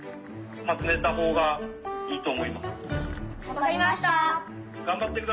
わかりました。